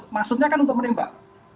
maksudnya kan untuk menembak